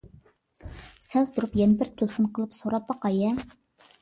سەل تۇرۇپ يەنە بىر تېلېفون قىلىپ سوراپ باقاي-ھە.